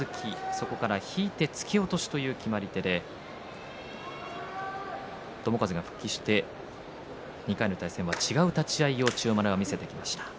そこから引いて突き落としという決まり手で友風が復帰して、２回の対戦は違う立ち合いを千代丸が見せてきました。